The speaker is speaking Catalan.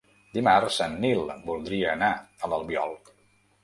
Dimarts en Nil voldria anar a l'Albiol.